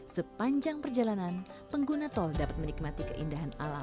sepanjang perjalanan pengguna tol dapat menikmati keindahan alam